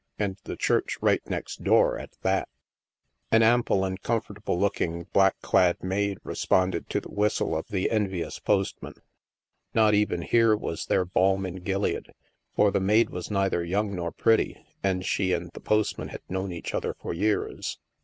And the church right next door, at that ! An ample and comfortable looking black clad maid responded to the whistle of the envious post man. Not even here was there balm in Gilead, for the maid was neither young nor pretty, and she and the postman had known each other for years.